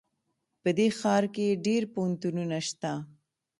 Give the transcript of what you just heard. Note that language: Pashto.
په دې ښار کې ډېر پوهنتونونه شته